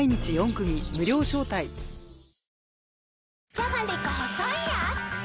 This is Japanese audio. じゃがりこ細いやーつ